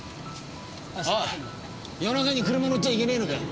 おい夜中に車乗っちゃいけねえのかよ？